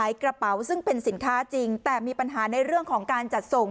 กระเป๋าซึ่งเป็นสินค้าจริงแต่มีปัญหาในเรื่องของการจัดส่ง